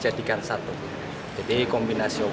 saya sudah berusaha untuk menghapus tattoo